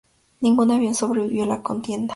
Ningún avión sobrevivió a la contienda.